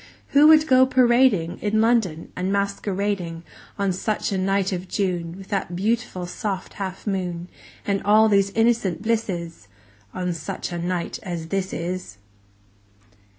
Who would "go parading" 10 In London, "and masquerading," On such a night of June With that beautiful soft half moon, And all these innocent blisses? On such a night as this is!